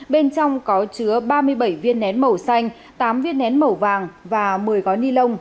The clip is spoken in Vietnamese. bên trong có chứa ba mươi bảy viên nén màu xanh tám viên nén màu vàng và một mươi gói ni lông